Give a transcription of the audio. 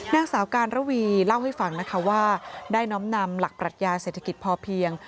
นางสาวการระวีเล่าให้ฟังนะคะว่าได้น้อมนำหลักปรัชญาเศรษฐกิจพอเพียง